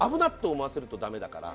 思わせるとダメだから。